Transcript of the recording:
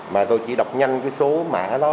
mà tôi chỉ đọc nhanh cái số mã đó